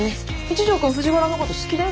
一条くん藤原のこと好きだよ